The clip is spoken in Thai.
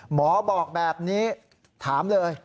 หมอบอกแบบนี้ถามเลย